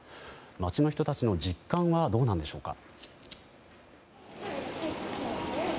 街の人たちの実感はどうなのでしょうか。